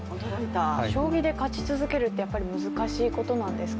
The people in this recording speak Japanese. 将棋で勝ち続けるってやっぱり難しいことなんですか？